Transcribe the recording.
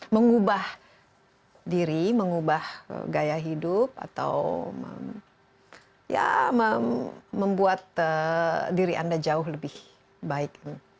mengubah diri mengubah gaya hidup atau ya membuat diri anda jauh lebih baik